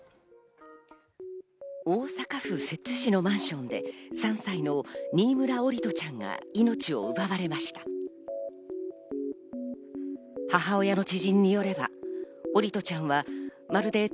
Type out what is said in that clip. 大阪府摂津市のマンションで３歳の新村桜利斗ちゃんが命を奪われました。